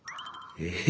ええ？